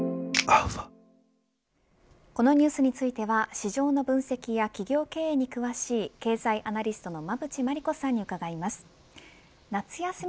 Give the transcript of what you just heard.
このニュースについては市場の分析や企業経営に詳しい経済アナリストの馬渕磨理子さんに伺います。